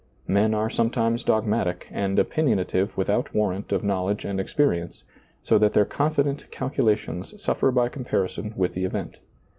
Men are sometimes dogmatic and opinionative without warrant of knowledge and experience, so that their confident calculations suffer by comparison with the event.